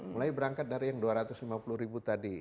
mulai berangkat dari yang dua ratus lima puluh ribu tadi